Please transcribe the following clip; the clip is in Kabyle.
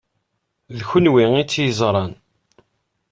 D kenwi i tt-yeṛẓan.